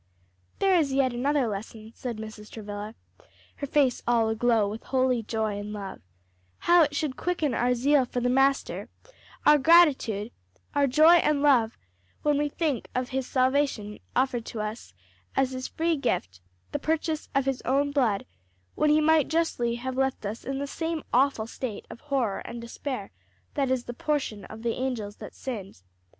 "There is yet another lesson," said Mrs. Travilla, her face all aglow with holy joy and love, "how it should quicken our zeal for the Master, our gratitude, our joy and love, when we think of his salvation offered to us as his free gift the purchase of his own blood, when he might justly have left us in the same awful state of horror and despair that is the portion of the angels that sinned.